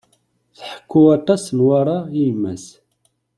Tḥekku aṭas Newwara i yemma-s.